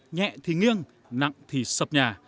nhẹ thì nghiêng nặng thì sập nhà